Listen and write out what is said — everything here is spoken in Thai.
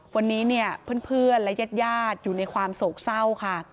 วันนี้เนี่ยเพื่อนและญาติอยู่ในความโศกเศร้าค่ะ